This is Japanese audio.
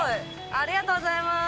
ありがとうございます！